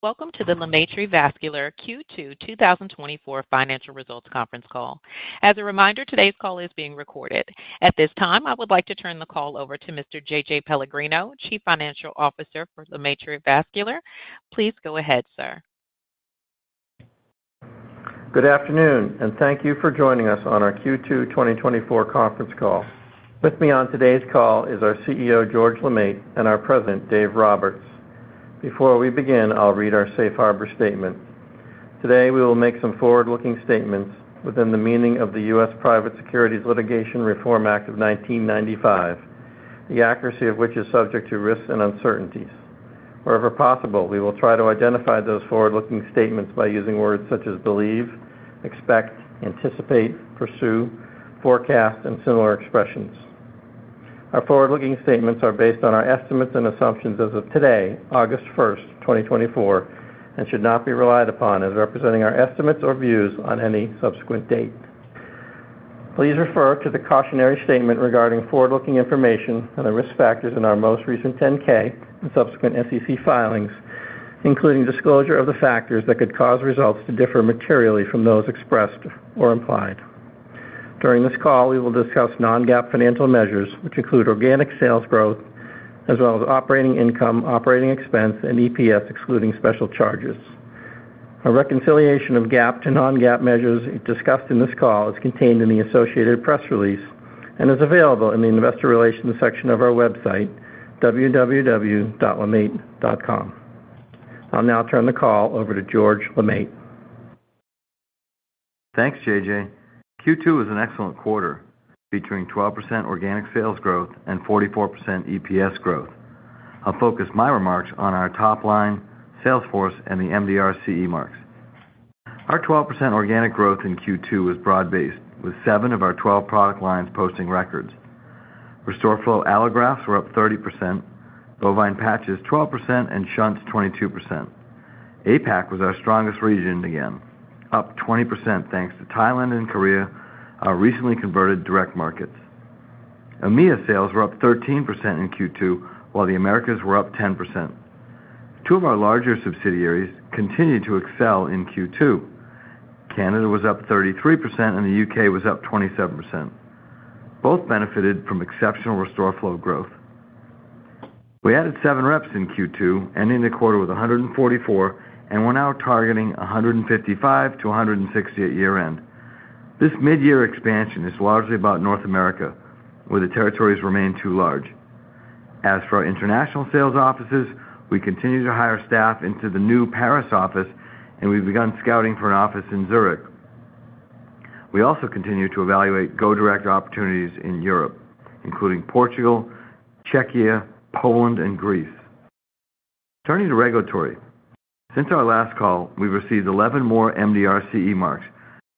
Welcome to the LeMaitre Vascular Q2 2024 financial results conference call. As a reminder, today's call is being recorded. At this time, I would like to turn the call over to Mr. J.J. Pellegrino, Chief Financial Officer for LeMaitre Vascular. Please go ahead, sir. Good afternoon, and thank you for joining us on our Q2 2024 conference call. With me on today's call is our CEO, George LeMaitre, and our President, Dave Roberts. Before we begin, I'll read our safe harbor statement. Today, we will make some forward-looking statements within the meaning of the U.S. Private Securities Litigation Reform Act of 1995, the accuracy of which is subject to risks and uncertainties. Wherever possible, we will try to identify those forward-looking statements by using words such as believe, expect, anticipate, pursue, forecast, and similar expressions. Our forward-looking statements are based on our estimates and assumptions as of today, August 1, 2024, and should not be relied upon as representing our estimates or views on any subsequent date. Please refer to the cautionary statement regarding forward-looking information and the risk factors in our most recent 10-K and subsequent SEC filings, including disclosure of the factors that could cause results to differ materially from those expressed or implied. During this call, we will discuss non-GAAP financial measures, which include organic sales growth, as well as operating income, operating expense, and EPS, excluding special charges. A reconciliation of GAAP to non-GAAP measures discussed in this call is contained in the associated press release and is available in the investor relations section of our website, www.lemaitre.com. I'll now turn the call over to George LeMaitre. Thanks, J.J. Q2 was an excellent quarter, featuring 12% organic sales growth and 44% EPS growth. I'll focus my remarks on our top line, sales force, and the MDR CE marks. Our 12% organic growth in Q2 was broad-based, with seven of our 12 product lines posting records. RestoreFlow allografts were up 30%, bovine patches, 12%, and shunts, 22%. APAC was our strongest region again, up 20%, thanks to Thailand and Korea, our recently converted direct markets. EMEA sales were up 13% in Q2, while the Americas were up 10%. Two of our larger subsidiaries continued to excel in Q2. Canada was up 33%, and the U.K. was up 27%. Both benefited from exceptional RestoreFlow growth. We added seven reps in Q2, ending the quarter with 144, and we're now targeting 155-160 at year-end. This midyear expansion is largely about North America, where the territories remain too large. As for our international sales offices, we continue to hire staff into the new Paris office, and we've begun scouting for an office in Zurich. We also continue to evaluate go-direct opportunities in Europe, including Portugal, Czechia, Poland, and Greece. Turning to regulatory. Since our last call, we've received 11 more MDR CE marks,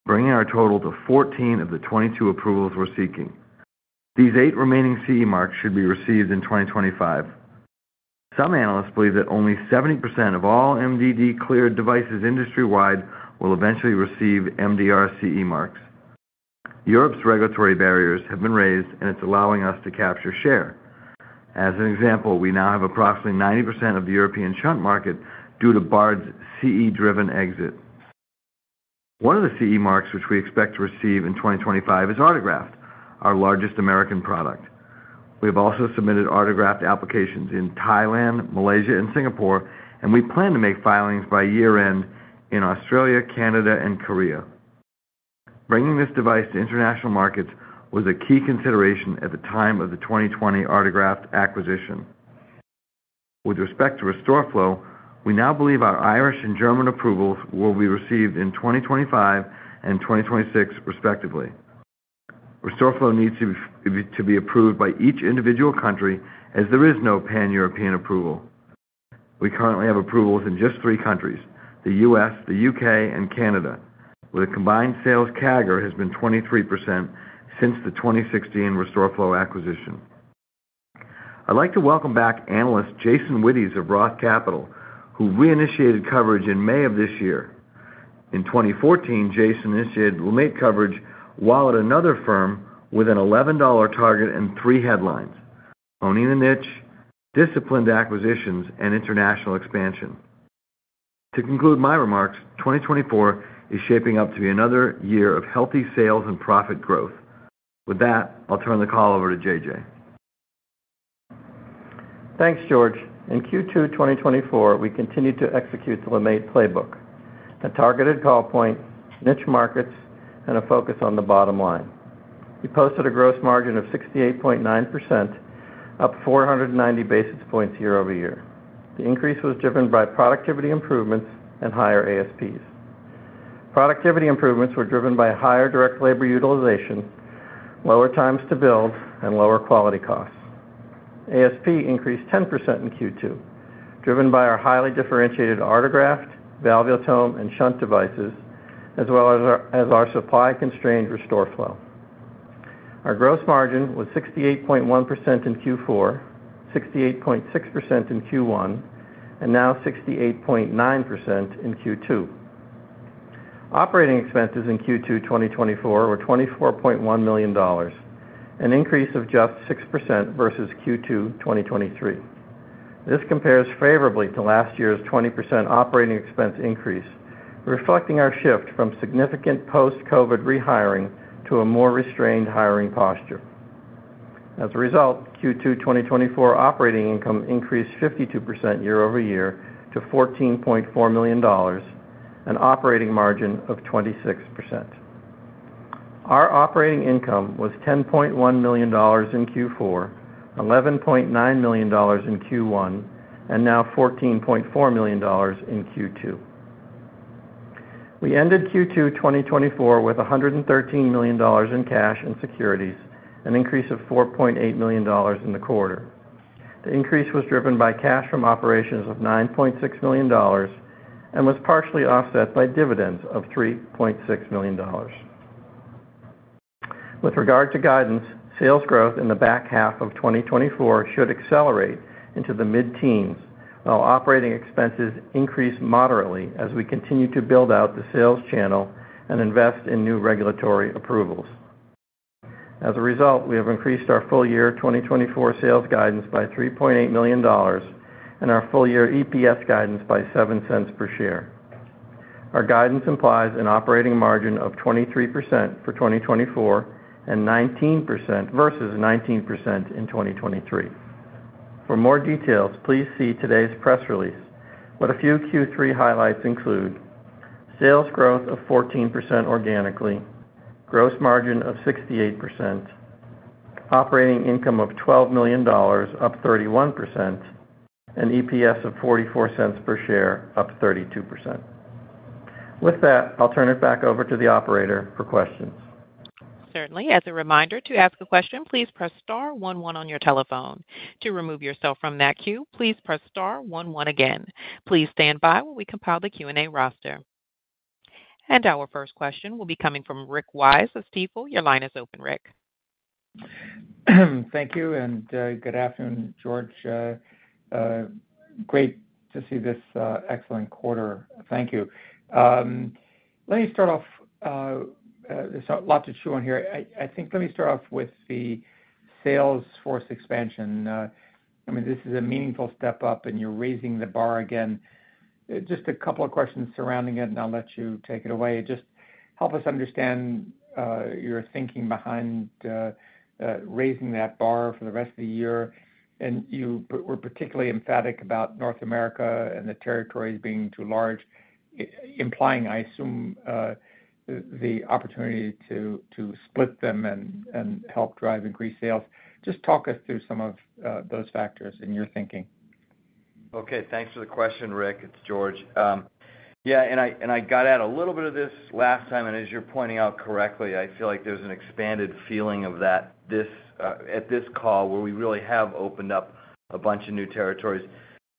bringing our total to 14 of the 22 approvals we're seeking. These eight remaining CE marks should be received in 2025. Some analysts believe that only 70% of all MDD cleared devices industry-wide will eventually receive MDR CE marks. Europe's regulatory barriers have been raised, and it's allowing us to capture share. As an example, we now have approximately 90% of the European shunt market due to Bard's CE-driven exit. One of the CE marks, which we expect to receive in 2025, is Artegraft, our largest American product. We have also submitted Artegraft applications in Thailand, Malaysia, and Singapore, and we plan to make filings by year-end in Australia, Canada, and Korea. Bringing this device to international markets was a key consideration at the time of the 2020 Artegraft acquisition. With respect to RestoreFlow, we now believe our Irish and German approvals will be received in 2025 and 2026, respectively. RestoreFlow needs to be approved by each individual country as there is no pan-European approval. We currently have approvals in just three countries, the U.S., the U.K., and Canada, where the combined sales CAGR has been 23% since the 2016 RestoreFlow acquisition. I'd like to welcome back analyst Jason Wittes of Roth Capital, who reinitiated coverage in May of this year. In 2014, Jason initiated LeMaitre coverage while at another firm with an $11 target and three headlines: Owning the Niche, Disciplined Acquisitions, and International Expansion. To conclude my remarks, 2024 is shaping up to be another year of healthy sales and profit growth. With that, I'll turn the call over to J.J. Thanks, George. In Q2 2024, we continued to execute the LeMaitre playbook, a targeted call point, niche markets, and a focus on the bottom line. We posted a gross margin of 68.9%, up 490 basis points year-over-year. The increase was driven by productivity improvements and higher ASPs. Productivity improvements were driven by higher direct labor utilization, lower times to build, and lower quality costs. ASP increased 10% in Q2, driven by our highly differentiated Artegraft, valvulotome, and shunt devices, as well as our supply-constrained RestoreFlow. Our gross margin was 68.1% in Q4, 68.6% in Q1, and now 68.9% in Q2. Operating expenses in Q2 2024 were $24.1 million, an increase of just 6% versus Q2 2023. This compares favorably to last year's 20% operating expense increase, reflecting our shift from significant post-COVID rehiring to a more restrained hiring posture. As a result, Q2 2024 operating income increased 52% year-over-year to $14.4 million, an operating margin of 26%. Our operating income was $10.1 million in Q4, $11.9 million in Q1, and now $14.4 million in Q2. We ended Q2 2024 with $113 million in cash and securities, an increase of $4.8 million in the quarter. The increase was driven by cash from operations of $9.6 million, and was partially offset by dividends of $3.6 million. With regard to guidance, sales growth in the back half of 2024 should accelerate into the mid-teens, while operating expenses increase moderately as we continue to build out the sales channel and invest in new regulatory approvals. As a result, we have increased our full year 2024 sales guidance by $3.8 million and our full year EPS guidance by $0.07 per share. Our guidance implies an operating margin of 23% for 2024 and 19%, versus 19% in 2023. For more details, please see today's press release, but a few Q3 highlights include: sales growth of 14% organically, gross margin of 68%, operating income of $12 million, up 31%, and EPS of $0.44 per share, up 32%. With that, I'll turn it back over to the operator for questions. Certainly. As a reminder, to ask a question, please press star one one on your telephone. To remove yourself from that queue, please press star one one again. Please stand by while we compile the Q&A roster. And our first question will be coming from Rick Wise of Stifel. Your line is open, Rick. Thank you, and good afternoon, George. Great to see this excellent quarter. Thank you. Let me start off, so a lot to chew on here. I think let me start off with the sales force expansion. I mean, this is a meaningful step up, and you're raising the bar again. Just a couple of questions surrounding it, and I'll let you take it away. Just help us understand your thinking behind raising that bar for the rest of the year. And you were particularly emphatic about North America and the territories being too large, implying, I assume, the opportunity to split them and help drive increased sales. Just talk us through some of those factors and your thinking. Okay. Thanks for the question, Rick. It's George. Yeah, and I, and I got at a little bit of this last time, and as you're pointing out correctly, I feel like there's an expanded feeling of that, this, at this call, where we really have opened up a bunch of new territories.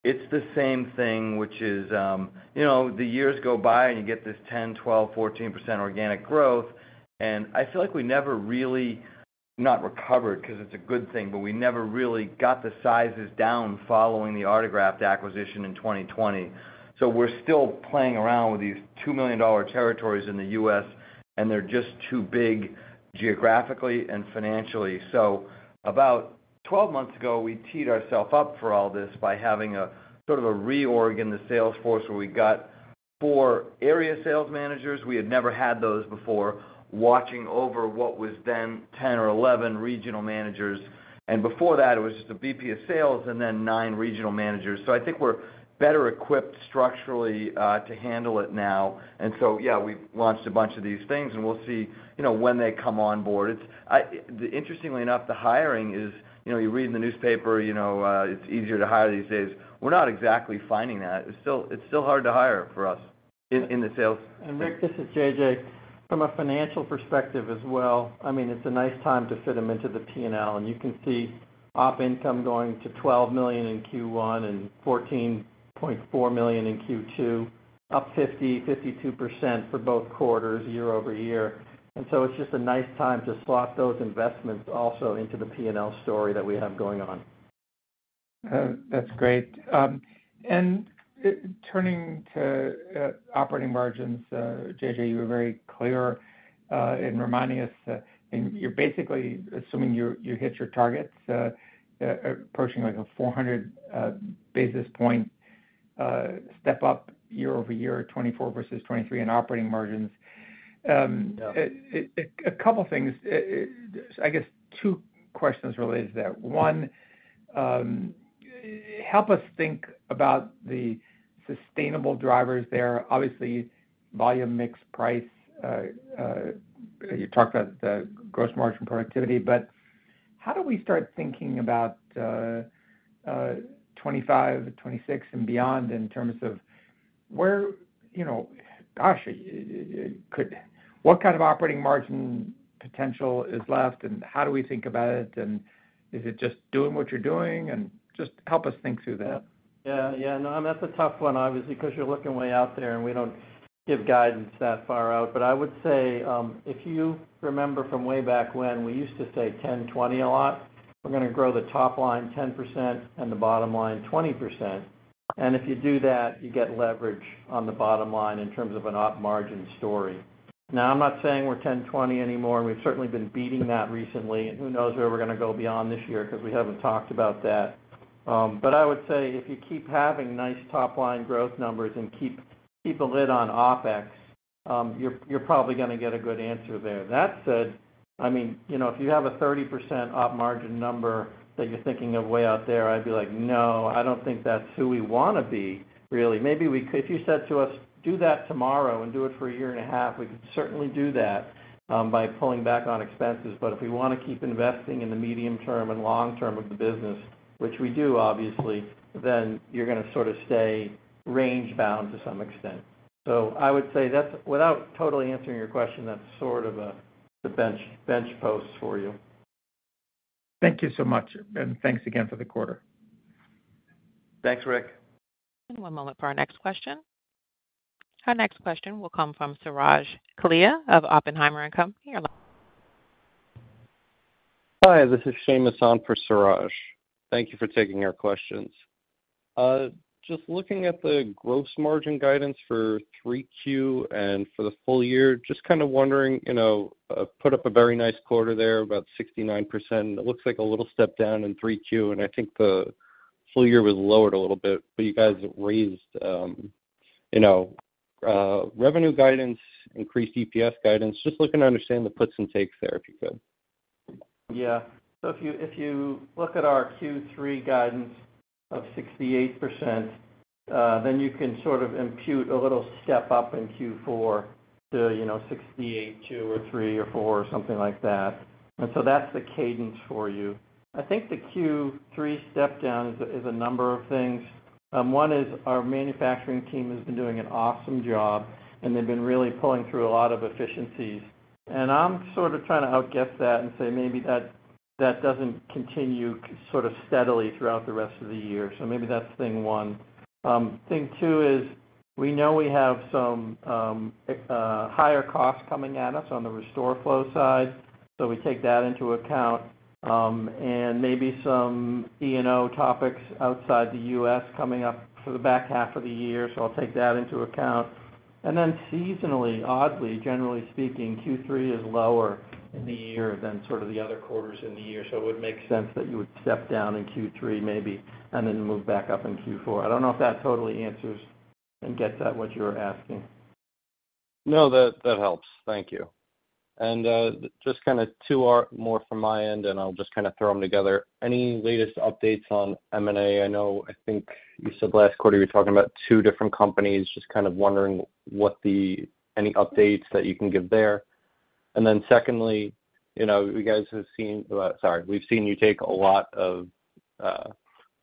It's the same thing, which is, you know, the years go by, and you get this 10, 12, 14% organic growth, and I feel like we never really, not recovered, 'cause it's a good thing, but we never really got the sizes down following the Artegraft acquisition in 2020. So we're still playing around with these $2 million territories in the U.S., and they're just too big, geographically and financially. So about 12 months ago, we teed ourself up for all this by having a sort of a reorg in the sales force, where we got four area sales managers, we had never had those before, watching over what was then 10 or 11 regional managers. And before that, it was just a VP of sales and then nine regional managers. So I think we're better equipped structurally to handle it now. And so, yeah, we've launched a bunch of these things, and we'll see, you know, when they come on board. It's—I, interestingly enough, the hiring is, you know, you read in the newspaper, you know, it's easier to hire these days. We're not exactly finding that. It's still, it's still hard to hire for us in, in the sales. Rick, this is JJ. From a financial perspective as well, I mean, it's a nice time to fit them into the P&L, and you can see op income going to $12 million in Q1 and $14.4 million in Q2, up 50%, 52% for both quarters year-over-year. So it's just a nice time to slot those investments also into the P&L story that we have going on. That's great. And turning to operating margins, JJ, you were very clear in reminding us, and you're basically assuming you hit your targets, approaching like a 400 basis point step up year-over-year, 2024 versus 2023 in operating margins. Yeah... A couple things. I guess two questions related to that. One, help us think about the sustainable drivers there. Obviously, volume, mix, price, you talked about the gross margin productivity, but how do we start thinking about 2025, 2026 and beyond in terms of where, you know, gosh, it could—what kind of operating margin potential is left, and how do we think about it? And is it just doing what you're doing? And just help us think through that. Yeah, yeah. No, that's a tough one, obviously, because you're looking way out there, and we don't give guidance that far out. But I would say, if you remember from way back when, we used to say 10, 20 a lot. We're gonna grow the top line 10% and the bottom line, 20%. And if you do that, you get leverage on the bottom line in terms of an op margin story. Now, I'm not saying we're 10 20 anymore, and we've certainly been beating that recently, and who knows where we're gonna go beyond this year because we haven't talked about that. But I would say if you keep having nice top line growth numbers and keep a lid on OpEx, you're probably gonna get a good answer there. That said, I mean, you know, if you have a 30% op margin number that you're thinking of way out there, I'd be like, "No, I don't think that's who we wanna be, really." Maybe we—if you said to us, "Do that tomorrow and do it for a year and a half," we could certainly do that by pulling back on expenses. But if we wanna keep investing in the medium term and long term of the business, which we do, obviously, then you're gonna sort of stay range-bound to some extent. So I would say that's—without totally answering your question, that's sort of a, the benchmark post for you. Thank you so much, and thanks again for the quarter. Thanks, Rick. One moment for our next question. Our next question will come from Suraj Kalia of Oppenheimer & Co. Your line- Hi, this is Seamus on for Suraj. Thank you for taking our questions. Just looking at the gross margin guidance for 3Q and for the full year, just kind of wondering, you know, put up a very nice quarter there, about 69%. It looks like a little step down in 3Q, and I think the full year was lowered a little bit, but you guys have raised, you know, revenue guidance, increased EPS guidance. Just looking to understand the puts and takes there, if you could. Yeah. So if you look at our Q3 guidance of 68%, then you can sort of impute a little step up in Q4 to, you know, 68, two or three or four, or something like that. And so that's the cadence for you. I think the Q3 step down is a number of things. One is our manufacturing team has been doing an awesome job, and they've been really pulling through a lot of efficiencies. And I'm sort of trying to outguess that and say, maybe that doesn't continue sort of steadily throughout the rest of the year. So maybe that's thing one. Thing two is, we know we have some higher costs coming at us on the RestoreFlow side, so we take that into account, and maybe some E&O topics outside the U.S. coming up for the back half of the year, so I'll take that into account. And then seasonally, oddly, generally speaking, Q3 is lower in the year than sort of the other quarters in the year. So it would make sense that you would step down in Q3, maybe, and then move back up in Q4. I don't know if that totally answers and gets at what you're asking. No, that, that helps. Thank you. And just kind of two or more from my end, and I'll just kind of throw them together. Any latest updates on M&A? I know, I think you said last quarter, you were talking about two different companies. Just kind of wondering any updates that you can give there. And then secondly, you know, you guys have seen... Sorry, we've seen you take a lot of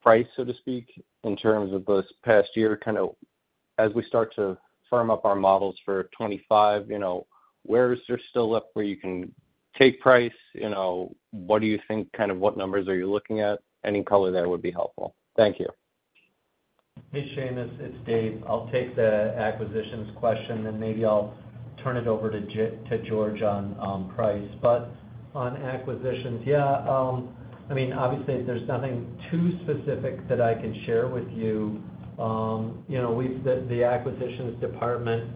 price, so to speak, in terms of this past year, kind of as we start to firm up our models for 25, you know, where is there still left where you can take price? You know, what do you think, kind of what numbers are you looking at? Any color there would be helpful. Thank you. Hey, Seamus, it's Dave. I'll take the acquisitions question, and maybe I'll turn it over to George on price. But on acquisitions, yeah, I mean, obviously, there's nothing too specific that I can share with you. You know, the acquisitions department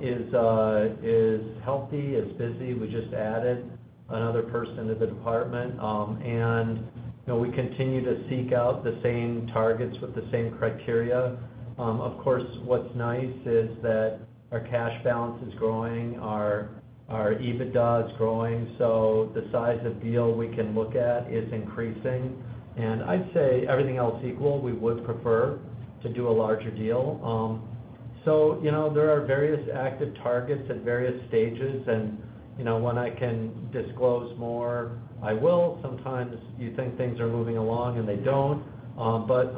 is healthy, is busy. We just added another person to the department, and you know, we continue to seek out the same targets with the same criteria. Of course, what's nice is that our cash balance is growing, our EBITDA is growing, so the size of deal we can look at is increasing. And I'd say everything else equal, we would prefer to do a larger deal. So, you know, there are various active targets at various stages, and you know, when I can disclose more, I will. Sometimes you think things are moving along, and they don't. But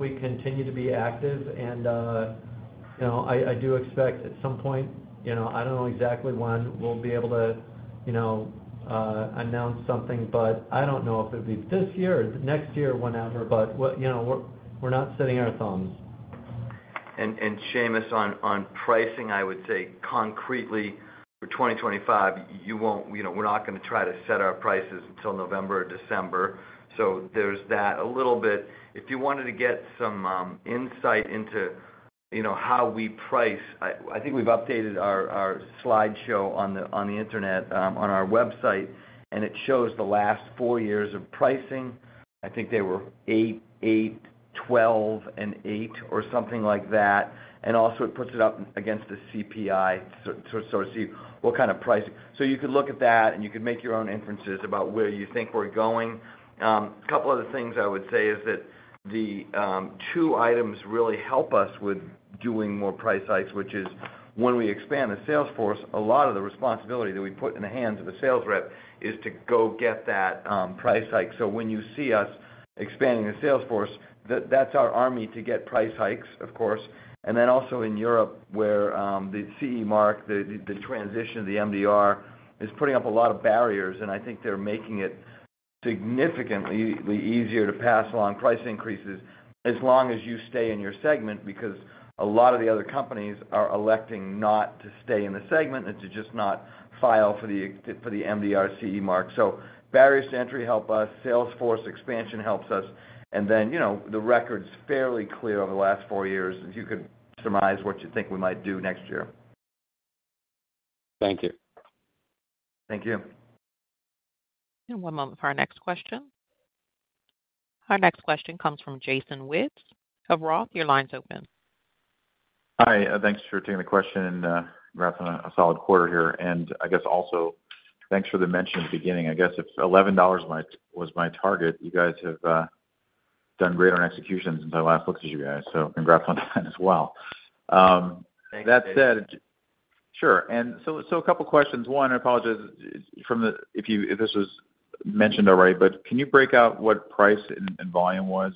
we continue to be active, and, you know, I do expect at some point, you know, I don't know exactly when, we'll be able to, you know, announce something, but I don't know if it'd be this year, next year, whenever, but, you know, we're not sitting on our thumbs. And Seamus, on pricing, I would say concretely for 2025, you won't, you know, we're not gonna try to set our prices until November or December. So there's that a little bit. If you wanted to get some insight into, you know, how we price, I think we've updated our slideshow on the internet on our website, and it shows the last four years of pricing. I think they were eight, eight, 12, and eight, or something like that. And also it puts it up against the CPI to sort of see what kind of price. So you could look at that, and you could make your own inferences about where you think we're going. A couple other things I would say is that the two items really help us with doing more price hikes, which is when we expand the sales force, a lot of the responsibility that we put in the hands of a sales rep is to go get that price hike. So when you see us expanding the sales force, that's our army to get price hikes, of course. And then also in Europe, where the CE Mark, the transition of the MDR is putting up a lot of barriers, and I think they're making it.... significantly easier to pass along price increases as long as you stay in your segment, because a lot of the other companies are electing not to stay in the segment and to just not file for the, for the MDR CE Mark. So barriers to entry help us, sales force expansion helps us, and then, you know, the record's fairly clear over the last four years, as you could surmise what you think we might do next year. Thank you. Thank you. One moment for our next question. Our next question comes from Jason Wittes of Roth. Your line's open. Hi, thanks for taking the question. Congrats on a solid quarter here. And I guess also, thanks for the mention at the beginning. I guess if $11 was my target, you guys have done greater on execution since I last looked at you guys, so congrats on that as well. Thanks, Jason. That said... Sure. And so, a couple questions. One, I apologize if you, if this was mentioned already, but can you break out what price and volume was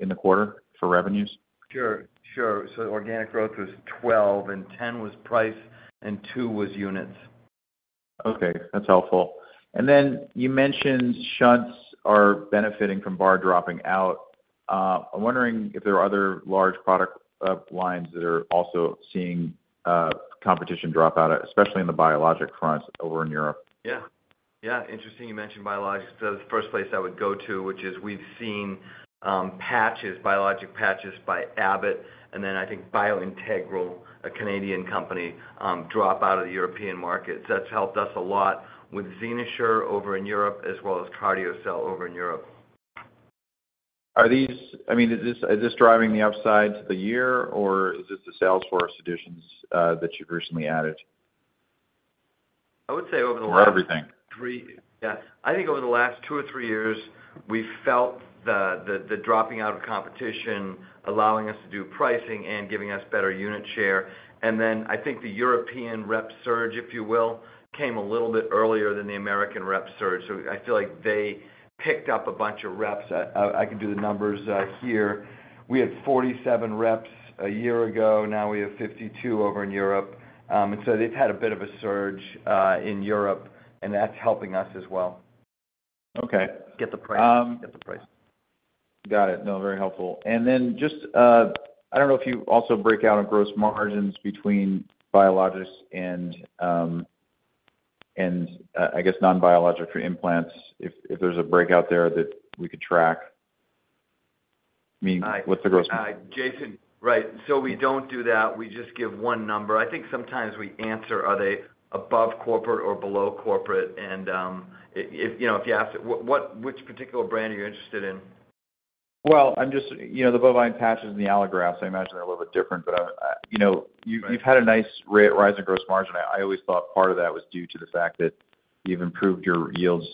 in the quarter for revenues? Sure, sure. So organic growth was 12, and 10 was price, and two was units. Okay, that's helpful. Then you mentioned shunts are benefiting from Bard dropping out. I'm wondering if there are other large product lines that are also seeing competition drop out, especially in the biologic front over in Europe. Yeah. Yeah, interesting you mentioned biologics. So the first place I would go to, which is we've seen, patches, biologic patches by Abbott, and then I think BioIntegral, a Canadian company, drop out of the European market. So that's helped us a lot with XenoSure over in Europe, as well as CardioCel over in Europe. Are these? I mean, is this, is this driving the upside to the year, or is this the sales force additions that you've recently added? I would say over the last- Or everything. Yeah, I think over the last two or three years, we've felt the dropping out of competition, allowing us to do pricing and giving us better unit share. And then I think the European rep surge, if you will, came a little bit earlier than the American rep surge. So I feel like they picked up a bunch of reps. I can do the numbers here. We had 47 reps a year ago, now we have 52 over in Europe. And so they've had a bit of a surge in Europe, and that's helping us as well. Okay. Get the price. Get the price. Got it. No, very helpful. And then just, I don't know if you also break out gross margins between biologics and, and, I guess, non-biologic or implants, if there's a breakout there that we could track. I mean, what's the gross- Jason, right. So we don't do that. We just give one number. I think sometimes we answer, are they above corporate or below corporate? And, if you know, if you ask, which particular brand are you interested in? Well, I'm just, you know, the bovine patches and the allografts, I imagine, are a little bit different. But, you know, you've- Right... you've had a nice rise in gross margin. I always thought part of that was due to the fact that you've improved your yields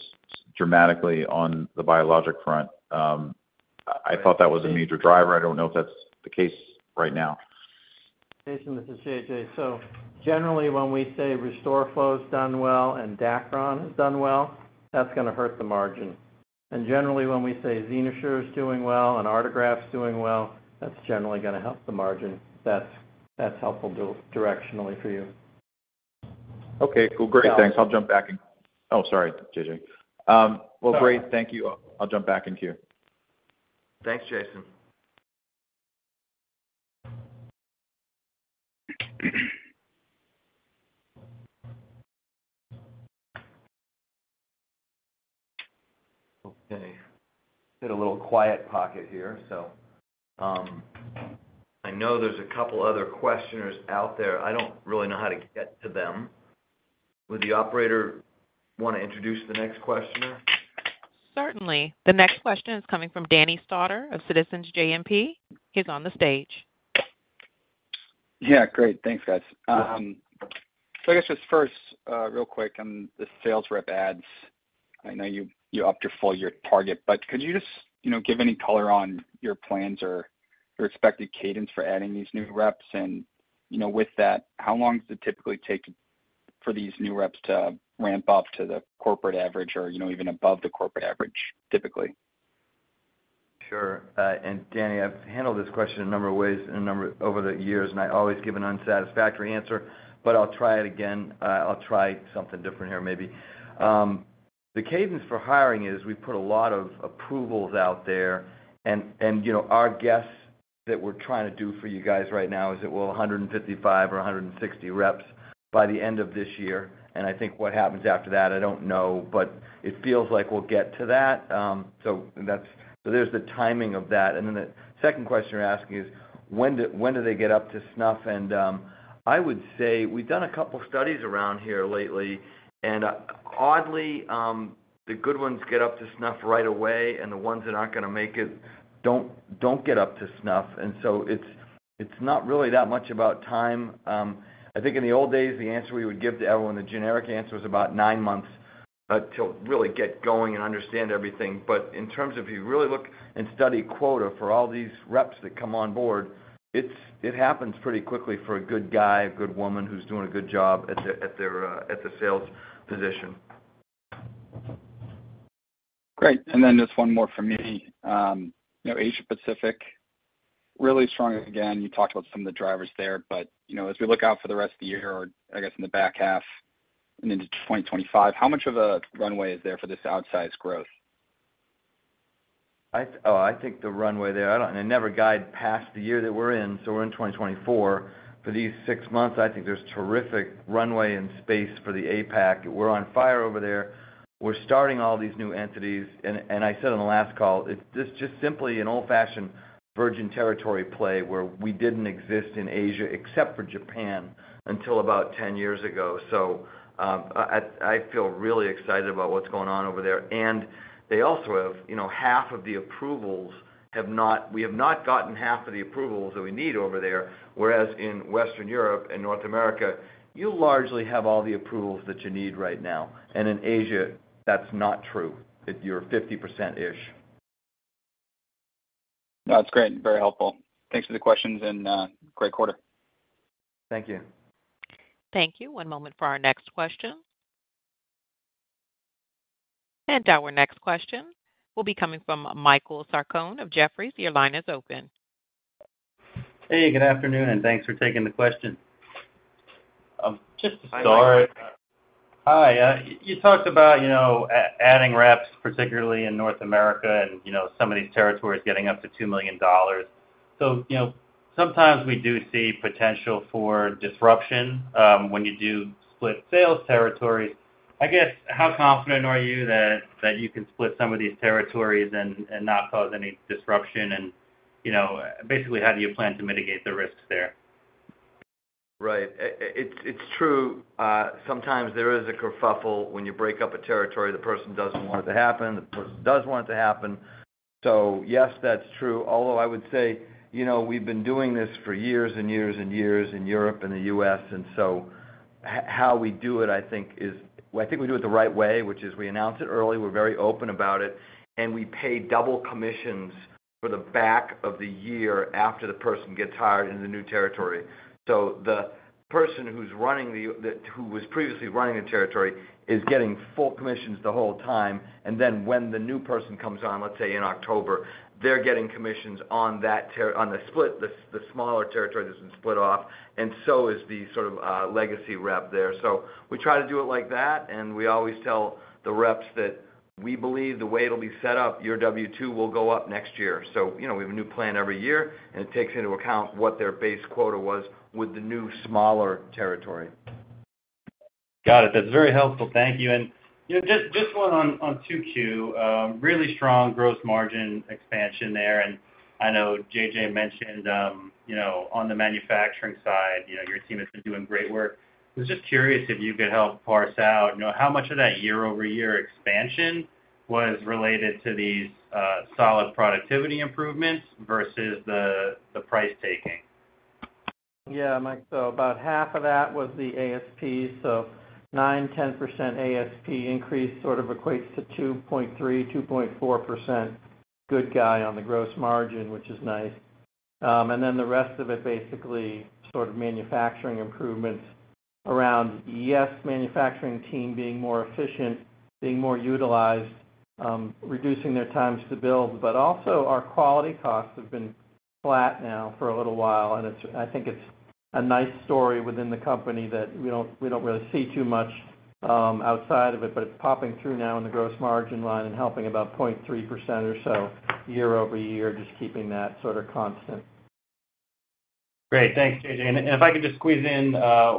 dramatically on the biologic front. I thought that was a major driver. I don't know if that's the case right now. Jason, this is J.J. So generally, when we say RestoreFlow is done well and Dacron is done well, that's gonna hurt the margin. And generally, when we say XenoSure is doing well and Artegraft's doing well, that's generally gonna help the margin. That's, that's helpful directionally for you. Okay, cool. Great. Yeah. Thanks. I'll jump back in. Oh, sorry, J.J. Well, great. No. Thank you. I'll jump back in queue. Thanks, Jason. Okay, hit a little quiet pocket here, so, I know there's a couple other questioners out there. I don't really know how to get to them. Would the operator want to introduce the next questioner? Certainly. The next question is coming from Daniel Stauder of Citizens JMP. He's on the stage. Yeah, great. Thanks, guys. So I guess just first, real quick on the sales rep adds, I know you, you upped your full year target, but could you just, you know, give any color on your plans or your expected cadence for adding these new reps? And, you know, with that, how long does it typically take for these new reps to ramp up to the corporate average or, you know, even above the corporate average, typically? Sure. And Danny, I've handled this question a number of ways over the years, and I always give an unsatisfactory answer, but I'll try it again. I'll try something different here, maybe. The cadence for hiring is, we've put a lot of approvals out there, and you know, our guess that we're trying to do for you guys right now is that, well, 155 or 160 reps by the end of this year. And I think what happens after that, I don't know, but it feels like we'll get to that. So there's the timing of that. And then the second question you're asking is, when do they get up to snuff? I would say we've done a couple of studies around here lately, and, oddly, the good ones get up to snuff right away, and the ones that aren't gonna make it, don't, don't get up to snuff. So it's, it's not really that much about time. I think in the old days, the answer we would give to everyone, the generic answer was about nine months, to really get going and understand everything. But in terms of if you really look and study quota for all these reps that come on board, it's, it happens pretty quickly for a good guy, a good woman who's doing a good job at the, at their, at the sales position. Great. And then just one more for me. You know, Asia Pacific, really strong again, you talked about some of the drivers there, but, you know, as we look out for the rest of the year, or I guess in the back half and into 2025, how much of a runway is there for this outsized growth? Oh, I think the runway there, I don't, and I never guide past the year that we're in, so we're in 2024. For these six months, I think there's terrific runway and space for the APAC. We're on fire over there. We're starting all these new entities, and I said on the last call, it's just simply an old-fashioned virgin territory play where we didn't exist in Asia, except for Japan, until about 10 years ago. So, I feel really excited about what's going on over there. And they also have, you know, half of the approvals have not. We have not gotten half of the approvals that we need over there, whereas in Western Europe and North America, you largely have all the approvals that you need right now. And in Asia, that's not true, that you're 50%-ish. No, that's great. Very helpful. Thanks for the questions, and great quarter. Thank you. Thank you. One moment for our next question. Our next question will be coming from Michael Sarcone of Jefferies. Your line is open. Hey, good afternoon, and thanks for taking the question. Just to start- Hi, Mike. Hi, you talked about, you know, adding reps, particularly in North America, and, you know, some of these territories getting up to $2 million. So, you know, sometimes we do see potential for disruption, when you do split sales territories. I guess, how confident are you that you can split some of these territories and not cause any disruption? And, you know, basically, how do you plan to mitigate the risks there? Right. It's true, sometimes there is a kerfuffle when you break up a territory. The person doesn't want it to happen, the person does want it to happen. So yes, that's true. Although I would say, you know, we've been doing this for years and years and years in Europe and the U.S., and so how we do it, I think, is... Well, I think we do it the right way, which is we announce it early, we're very open about it, and we pay double commissions for the back of the year after the person gets hired in the new territory. So the person who's running the, who was previously running the territory, is getting full commissions the whole time, and then when the new person comes on, let's say in October, they're getting commissions on that, on the split, the smaller territory that's been split off, and so is the sort of legacy rep there. So we try to do it like that, and we always tell the reps that we believe the way it'll be set up, your W-2 will go up next year. So, you know, we have a new plan every year, and it takes into account what their base quota was with the new, smaller territory. Got it. That's very helpful. Thank you. And, you know, just one on 2Q, really strong gross margin expansion there. And I know JJ mentioned, you know, on the manufacturing side, you know, your team has been doing great work. I was just curious if you could help parse out, you know, how much of that year-over-year expansion was related to these solid productivity improvements versus the price taking? Yeah, Mike, so about half of that was the ASP, so 9%-10% ASP increase sort of equates to 2.3%-2.4% good guy on the gross margin, which is nice. And then the rest of it, basically, sort of manufacturing improvements around, yes, manufacturing team being more efficient, being more utilized, reducing their times to build, but also our quality costs have been flat now for a little while, and it's. I think it's a nice story within the company that we don't, we don't really see too much outside of it, but it's popping through now in the gross margin line and helping about 0.3% or so year-over-year, just keeping that sort of constant. Great. Thanks, J.J. And if I could just squeeze in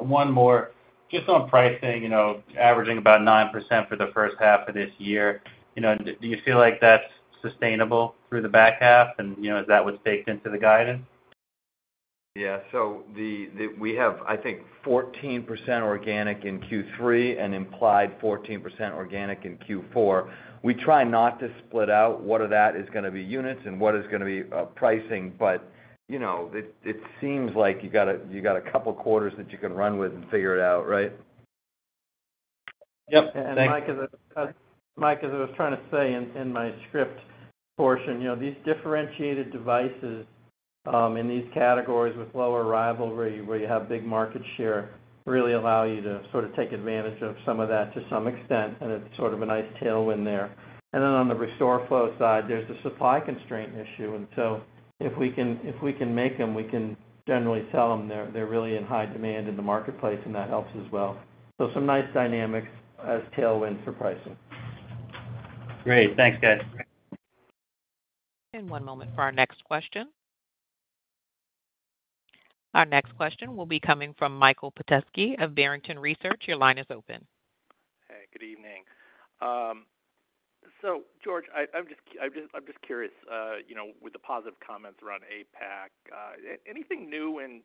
one more just on pricing, you know, averaging about 9% for the first half of this year. You know, do you feel like that's sustainable through the back half? And, you know, is that what's baked into the guidance? Yeah. So we have, I think, 14% organic in Q3 and implied 14% organic in Q4. We try not to split out what of that is gonna be units and what is gonna be pricing, but, you know, it seems like you got a couple quarters that you can run with and figure it out, right? Yep. Thanks. And Mike, as I was trying to say in my script portion, you know, these differentiated devices in these categories with lower rivalry, where you have big market share, really allow you to sort of take advantage of some of that to some extent, and it's sort of a nice tailwind there. Then on the RestoreFlow side, there's a supply constraint issue, and so if we can make them, we can generally sell them. They're really in high demand in the marketplace, and that helps as well. So some nice dynamics as tailwind for pricing. Great. Thanks, guys. One moment for our next question. Our next question will be coming from Michael Petusky of Barrington Research. Your line is open. Hey, good evening. So George, I'm just curious, you know, with the positive comments around APAC, anything new in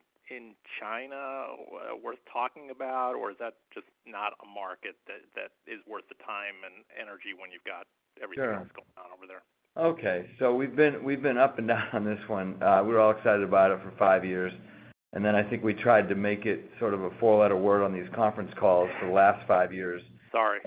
China worth talking about? Or is that just not a market that is worth the time and energy when you've got everything- Sure else going on over there? Okay. So we've been, we've been up and down on this one. We're all excited about it for five years, and then I think we tried to make it sort of a four-letter word on these conference calls for the last five years. Sorry.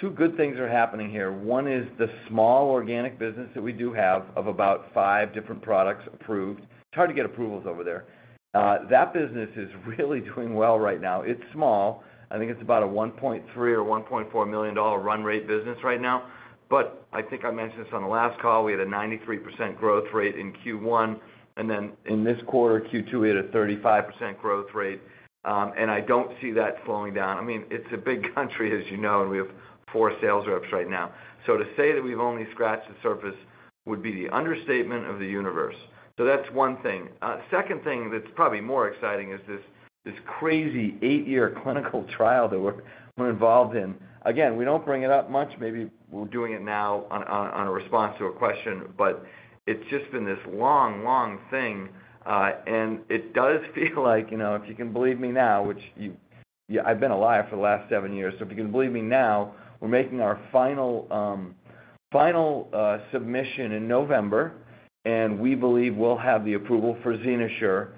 Two good things are happening here. One is the small organic business that we do have of about five different products approved. It's hard to get approvals over there. That business is really doing well right now. It's small. I think it's about a $1.3 million-$1.4 million run rate business right now. But I think I mentioned this on the last call, we had a 93% growth rate in Q1, and then in this quarter, Q2, we had a 35% growth rate. And I don't see that slowing down. I mean, it's a big country, as you know, and we have four sales reps right now. So to say that we've only scratched the surface would be the understatement of the universe. So that's one thing. Second thing that's probably more exciting is this crazy eight-year clinical trial that we're involved in. Again, we don't bring it up much. Maybe we're doing it now on a response to a question, but it's just been this long, long thing. And it does feel like, you know, if you can believe me now, which you-- I've been alive for the last seven years. So if you can believe me now, we're making our final submission in November, and we believe we'll have the approval for XenoSure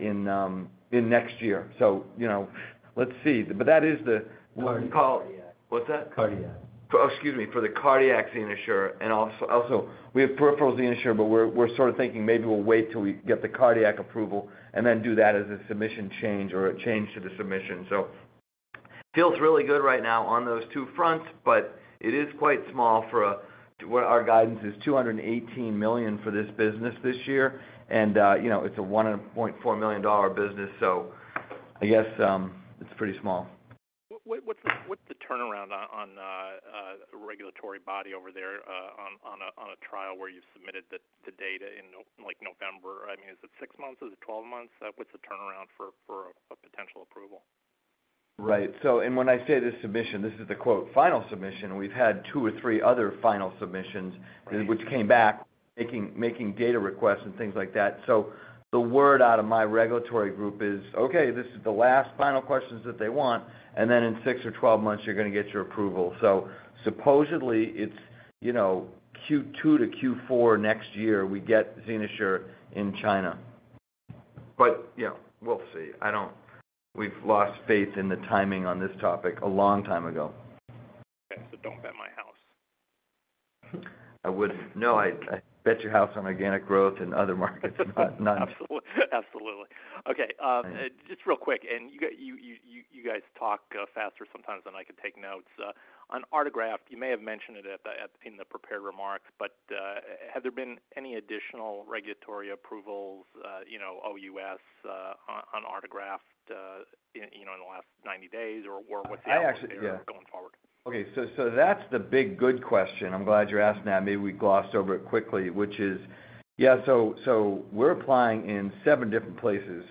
in next year. So, you know, let's see. But that is the- Cardiac. What's that? Cardiac. Oh, excuse me, for the cardiac XenoSure, and also, also, we have peripheral XenoSure, but we're, we're sort of thinking maybe we'll wait till we get the cardiac approval and then do that as a submission change or a change to the submission. So feels really good right now on those two fronts, but it is quite small for a-- what our guidance is $218 million for this business this year. And, you know, it's a $1.4 million business, so I guess, it's pretty small. What's the turnaround on a regulatory body over there on a trial where you've submitted the data in like November? I mean, is it six months, is it 12 months? What's the turnaround for a potential approval? Right. So, when I say the submission, this is the quote, "final submission." We've had two or three other final submissions, which came back, making data requests and things like that. So the word out of my regulatory group is, "Okay, this is the last final questions that they want, and then in six or 12 months, you're going to get your approval." So supposedly, it's, you know, Q2 to Q4 next year, we get XenoSure in China. But, you know, we'll see. We've lost faith in the timing on this topic a long time ago. Okay, so don't bet my house. No, I'd bet your house on organic growth in other markets, but not- Absolutely. Absolutely. Okay, just real quick, and you guys talk faster sometimes than I can take notes. On Artegraft, you may have mentioned it at the—in the prepared remarks, but had there been any additional regulatory approvals, you know, OUS, on Artegraft, in, you know, in the last 90 days, or what's the update there- I actually- - going forward? Okay, so, so that's the big, good question. I'm glad you're asking that. Maybe we glossed over it quickly, which is... Yeah, so, so we're applying in 7 different places.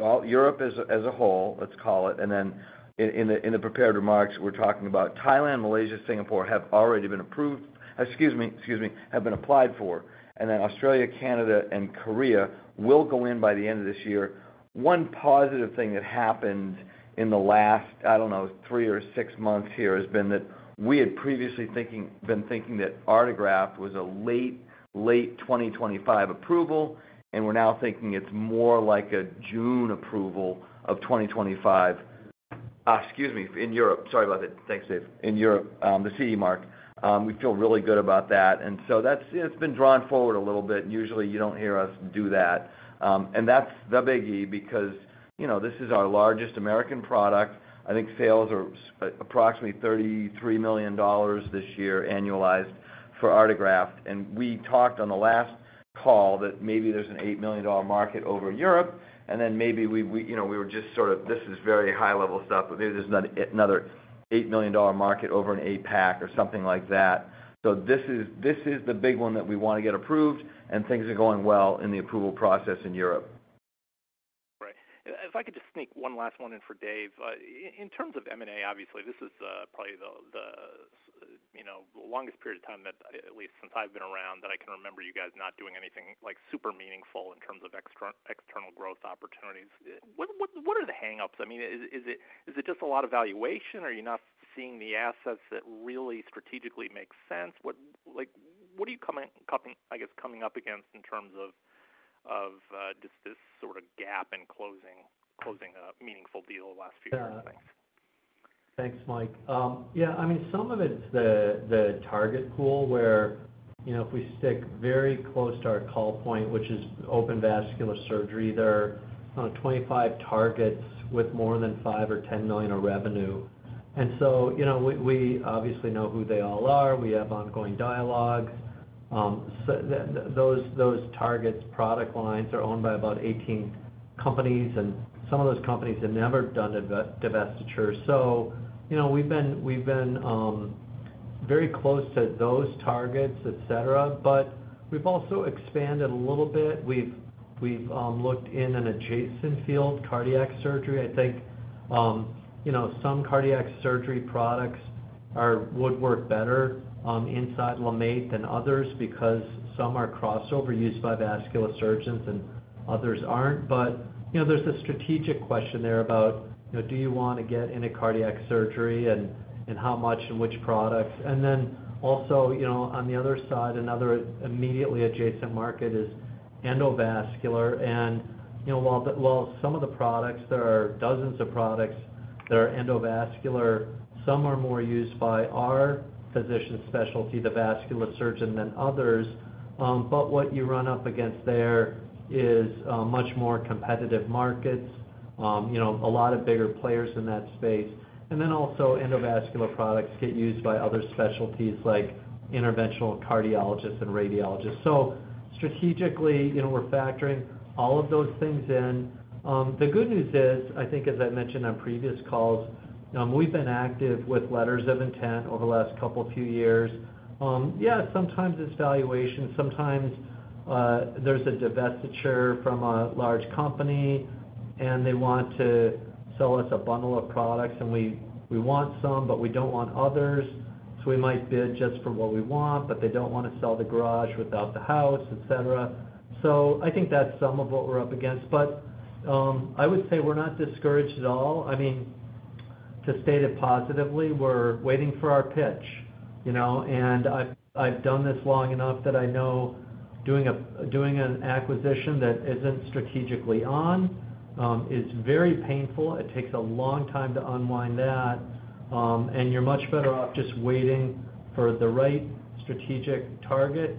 All-Europe as, as a whole, let's call it, and then in, in the, in the prepared remarks, we're talking about Thailand, Malaysia, Singapore, have already been approved—excuse me, excuse me, have been applied for, and then Australia, Canada, and Korea will go in by the end of this year. One positive thing that happened in the last, I don't know, three or six months here, has been that we had previously thinking—been thinking that Artegraft was a late, late 2025 approval, and we're now thinking it's more like a June approval of 2025. Ah, excuse me, in Europe. Sorry about that. Thanks, Dave. In Europe, the CE Mark. We feel really good about that, and so that's, it's been drawn forward a little bit. Usually, you don't hear us do that. And that's the biggie because, you know, this is our largest American product. I think sales are approximately $33 million this year, annualized for Artegraft. And we talked on the last call that maybe there's an $8 million market over Europe, and then maybe we, you know, we were just sort of, this is very high-level stuff, but maybe there's another $8 million market over in APAC or something like that. So this is, this is the big one that we want to get approved, and things are going well in the approval process in Europe. Right. If I could just sneak one last one in for Dave. In terms of M&A, obviously, this is probably the, you know, longest period of time that, at least since I've been around, that I can remember you guys not doing anything like super meaningful in terms of external growth opportunities. What are the hang-ups? I mean, is it just a lot of valuation? Are you not seeing the assets that really strategically make sense? What, like, what are you coming up against in terms of just this sort of gap in closing a meaningful deal the last few years? Thanks. Thanks, Mike. Yeah, I mean, some of it's the target pool, where, you know, if we stick very close to our call point, which is open vascular surgery, there are around 25 targets with more than $5 million or $10 million of revenue. And so, you know, we obviously know who they all are. We have ongoing dialogue. So those targets, product lines, are owned by about 18 companies, and some of those companies have never done a divestiture. So, you know, we've been very close to those targets, et cetera, but we've also expanded a little bit. We've looked in an adjacent field, cardiac surgery. I think, you know, some cardiac surgery products would work better inside LMAT than others because some are crossover used by vascular surgeons and others aren't. But, you know, there's a strategic question there about, you know, do you want to get into cardiac surgery, and how much and which products? And then also, you know, on the other side, another immediately adjacent market is... endovascular. And, you know, while some of the products, there are dozens of products that are endovascular, some are more used by our physician specialty, the vascular surgeon, than others. But what you run up against there is much more competitive markets, you know, a lot of bigger players in that space. And then also endovascular products get used by other specialties like interventional cardiologists and radiologists. So strategically, you know, we're factoring all of those things in. The good news is, I think as I've mentioned on previous calls, we've been active with letters of intent over the last couple, few years. Yeah, sometimes it's valuation, sometimes there's a divestiture from a large company, and they want to sell us a bundle of products, and we want some, but we don't want others. So we might bid just for what we want, but they don't want to sell the garage without the house, et cetera. So I think that's some of what we're up against. But I would say we're not discouraged at all. I mean, to state it positively, we're waiting for our pitch, you know, and I've done this long enough that I know doing an acquisition that isn't strategically on is very painful. It takes a long time to unwind that, and you're much better off just waiting for the right strategic target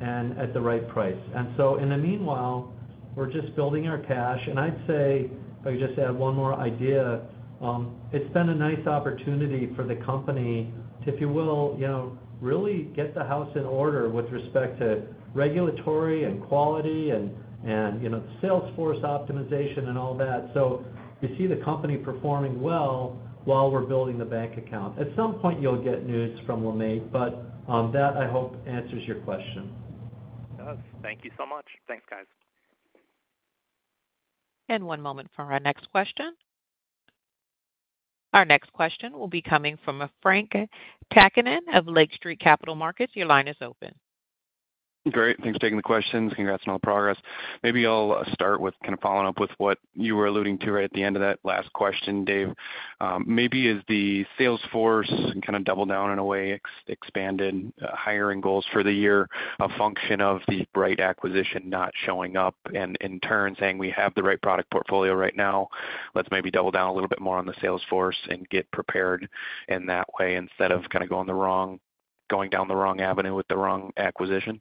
and at the right price. And so in the meanwhile, we're just building our cash. I'd say, if I could just add one more idea, it's been a nice opportunity for the company, if you will, you know, really get the house in order with respect to regulatory and quality and, you know, sales force optimization and all that. You see the company performing well while we're building the bank account. At some point, you'll get news from LeMaitre, but that, I hope, answers your question. It does. Thank you so much. Thanks, guys. One moment for our next question. Our next question will be coming from Frank Takkinen of Lake Street Capital Markets. Your line is open. Great, thanks for taking the questions. Congrats on all the progress. Maybe I'll start with kind of following up with what you were alluding to right at the end of that last question, Dave. Maybe is the sales force kind of double down in a way, expanded, hiring goals for the year, a function of the bright acquisition not showing up, and in turn, saying, "We have the right product portfolio right now, let's maybe double down a little bit more on the sales force and get prepared in that way," instead of kind of going down the wrong avenue with the wrong acquisition?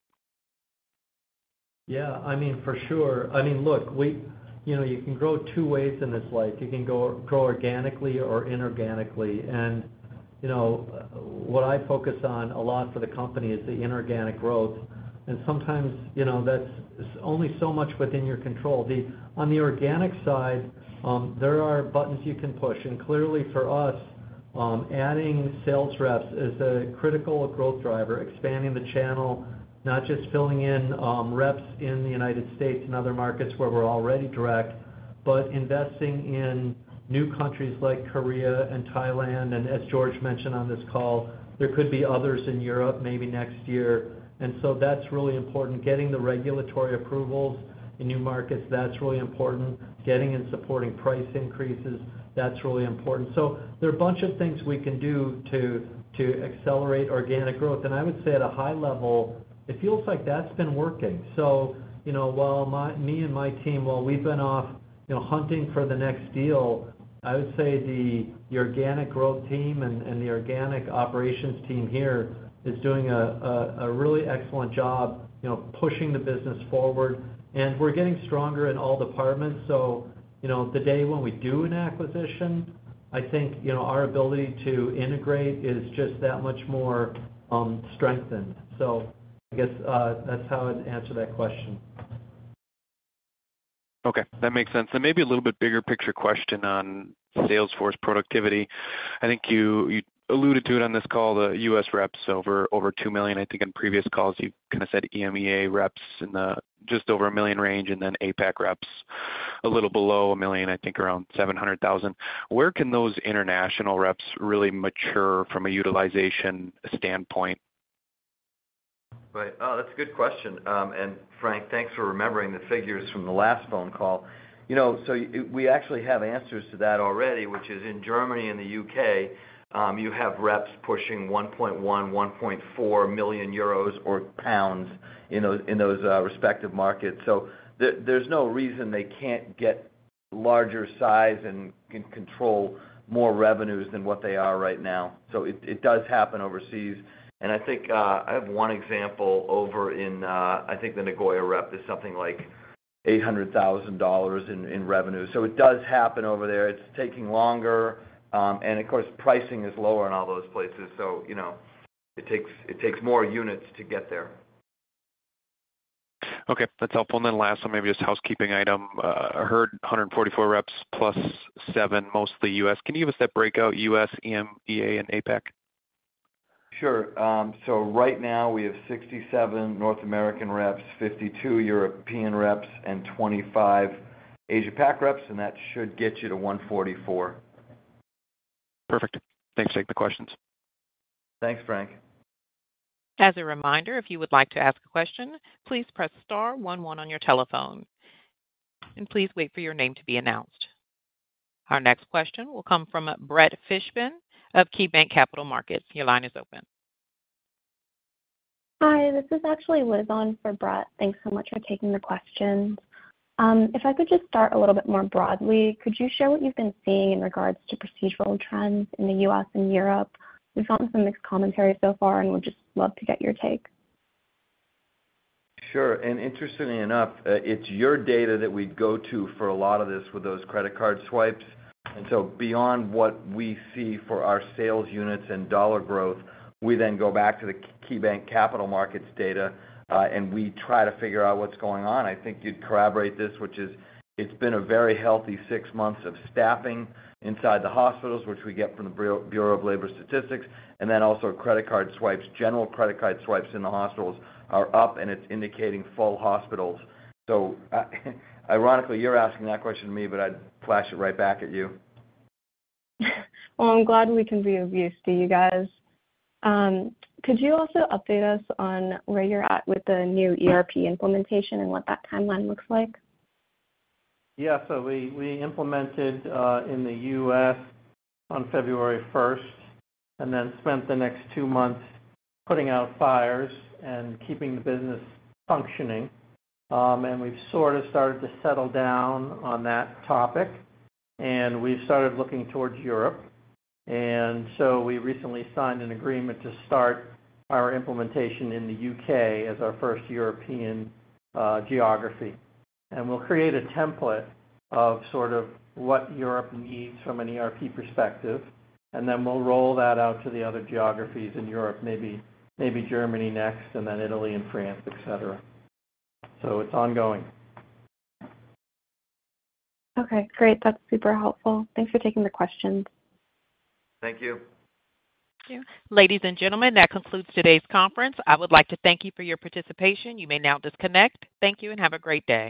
Yeah, I mean, for sure. I mean, look, we... You know, you can grow two ways in this life. You can grow organically or inorganically. And, you know, what I focus on a lot for the company is the inorganic growth. And sometimes, you know, that's only so much within your control. The-- On the organic side, there are buttons you can push, and clearly for us, adding sales reps is a critical growth driver, expanding the channel, not just filling in, reps in the United States and other markets where we're already direct, but investing in new countries like Korea and Thailand. And as George mentioned on this call, there could be others in Europe, maybe next year. And so that's really important. Getting the regulatory approvals in new markets, that's really important. Getting and supporting price increases, that's really important. So there are a bunch of things we can do to accelerate organic growth. I would say at a high level, it feels like that's been working. So, you know, while me and my team, while we've been off, you know, hunting for the next deal, I would say the organic growth team and the organic operations team here is doing a really excellent job, you know, pushing the business forward, and we're getting stronger in all departments. So, you know, the day when we do an acquisition, I think, you know, our ability to integrate is just that much more strengthened. So I guess that's how I'd answer that question. Okay, that makes sense. So maybe a little bit bigger picture question on sales force productivity. I think you alluded to it on this call, the US reps over $2 million. I think in previous calls, you kind of said EMEA reps in the just over $1 million range, and then APAC reps, a little below a million, I think, around $700,000. Where can those international reps really mature from a utilization standpoint? Right. That's a good question. And Frank, thanks for remembering the figures from the last phone call. You know, so we actually have answers to that already, which is in Germany and the UK, you have reps pushing 1.1 million euros or GBP 1.4 million in those respective markets. So there's no reason they can't get larger size and can control more revenues than what they are right now. So it does happen overseas, and I think I have one example over in... I think the Nagoya rep is something like $800,000 in revenue. So it does happen over there. It's taking longer, and of course, pricing is lower in all those places, so you know, it takes more units to get there. Okay, that's helpful. And then last one, maybe just housekeeping item. I heard 144 reps plus seven, mostly US. Can you give us that breakout, US, EMEA, and APAC? Sure. So right now, we have 67 North American reps, 52 European reps, and 25 Asia Pac reps, and that should get you to 144. Perfect. Thanks. Take the questions. Thanks, Frank. As a reminder, if you would like to ask a question, please press star one one on your telephone. Please wait for your name to be announced.... Our next question will come from Brett Fishman of KeyBanc Capital Markets. Your line is open. Hi, this is actually Liz on for Brett. Thanks so much for taking the questions. If I could just start a little bit more broadly, could you share what you've been seeing in regards to procedural trends in the U.S. and Europe? We've gotten some mixed commentary so far, and we'd just love to get your take. Sure. And interestingly enough, it's your data that we go to for a lot of this with those credit card swipes. And so beyond what we see for our sales units and dollar growth, we then go back to the KeyBanc Capital Markets data, and we try to figure out what's going on. I think you'd corroborate this, which is it's been a very healthy six months of staffing inside the hospitals, which we get from the Bureau of Labor Statistics, and then also credit card swipes. General credit card swipes in the hospitals are up, and it's indicating full hospitals. So, ironically, you're asking that question to me, but I'd flash it right back at you. Well, I'm glad we can be of use to you guys. Could you also update us on where you're at with the new ERP implementation and what that timeline looks like? Yeah, so we, we implemented in the U.S. on February 1st and then spent the next two months putting out fires and keeping the business functioning. And we've sort of started to settle down on that topic, and we've started looking towards Europe. So we recently signed an agreement to start our implementation in the U.K. as our first European geography. And we'll create a template of sort of what Europe needs from an ERP perspective, and then we'll roll that out to the other geographies in Europe, maybe, maybe Germany next, and then Italy and France, et cetera. So it's ongoing. Okay, great. That's super helpful. Thanks for taking the questions. Thank you. Thank you. Ladies and gentlemen, that concludes today's conference. I would like to thank you for your participation. You may now disconnect. Thank you, and have a great day.